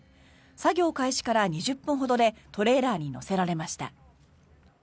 作業開始から２０分ほどでトレーラーに載せられました。